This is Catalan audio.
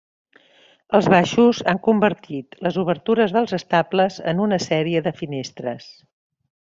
Els baixos han convertit les obertures dels estables en una sèrie de finestres.